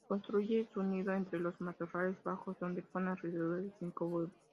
Construye su nido entre los matorrales bajos, donde pone alrededor de cinco huevos.